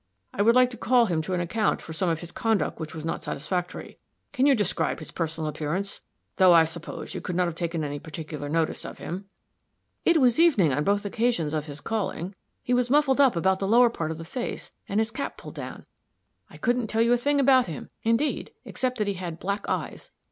I would like to call him to an account for some of his conduct which was not satisfactory. Can you describe his personal appearance? though, I suppose, you could not have taken any particular notice of him." "It was evening on both occasions of his calling. He was muffled up about the lower part of the face, and his cap pulled down. I couldn't tell you a thing about him, indeed, except that he had black eyes.